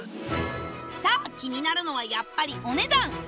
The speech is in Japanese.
さぁ気になるのはやっぱりお値段